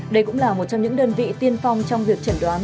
đây cũng là một trong những đơn vị tiên phong trong việc chẩn đoán